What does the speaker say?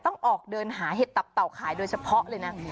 ต้องออกเดินหาเห็ดตับเต่าขายโดยเฉพาะเลยนะ